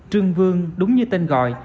trương vương đúng như tên gọi